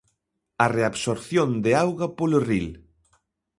A reabsorción de auga polo ril.